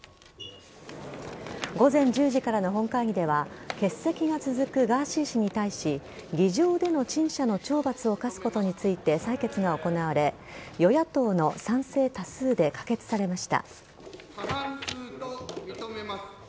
午前１０時からの本会議では欠席が続くガーシー氏に対し議場での陳謝の懲罰を科すことについて採決が行われ与野党の賛成多数で可決されました。